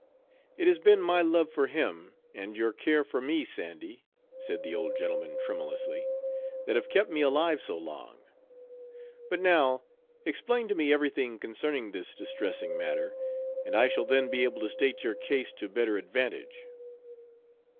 "It has been my love for him and your care of me, Sandy," said the old gentleman tremulously, "that have kept me alive so long; but now explain to me everything concerning this distressing matter, and I shall then be able to state your case to better advantage."